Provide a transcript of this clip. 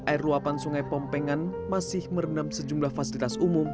air luapan sungai pompengan masih merendam sejumlah fasilitas umum